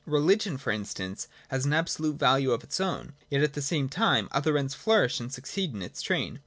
Religion, for instance, has an absolute value of its own ; yet at the same time other ends flourish and succeed in its train.